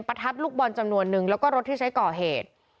ลูกบอลจำนวนนึงแล้วก็รถที่ใช้ก่อเหตุ